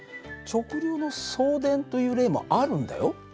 直流の送電という例もあるんだよ。